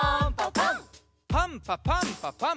パンパパンパパン！